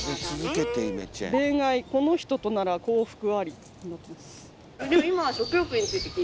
「恋愛この人となら幸福あり」になってます。